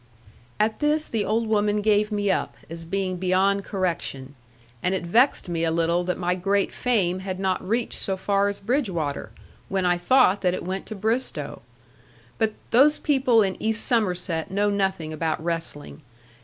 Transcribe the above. At this the old woman gave me up, as being beyond correction: and it vexed me a little that my great fame had not reached so far as Bridgwater, when I thought that it went to Bristowe. But those people in East Somerset know nothing about wrestling.